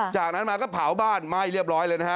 จากนั้นมาก็เผาบ้านไหม้เรียบร้อยเลยนะฮะ